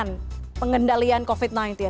untuk pengendalian covid sembilan belas